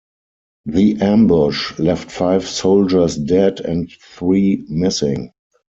The ambush left five soldiers dead and three missing.